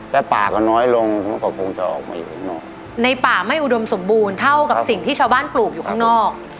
แต่ป่าก็น้อยลงเขาก็คงจะออกมาในป่าไม่อุดมสมบูรณ์เท่ากับสิ่งที่ชาวบ้านปลูกอยู่ข้างนอก